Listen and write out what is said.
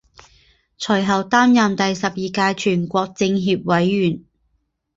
随后担任第十二届全国政协委员。